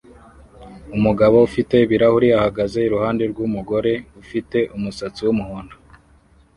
Umugabo ufite ibirahuri ahagaze iruhande rwumugore ufite umusatsi wumuhondo